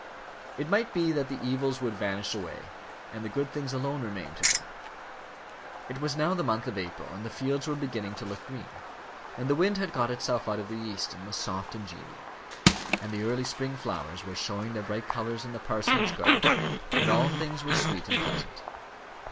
It might be that the evils would vanish away, and the good things alone remain to them. It was now the month of April, and the fields were beginning to look green, and the wind had got itself out of the east and was soft and genial, and the early spring flowers were showing their bright colours in the parsonage garden, and all things were sweet and pleasant.